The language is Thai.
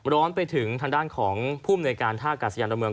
ล้อนไปถึงทางด้านของผู้มนุยการถ้าอากาศสยานดอนเมือง